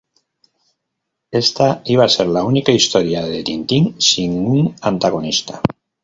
Esta iba a ser la única historia de Tintín sin un antagonista.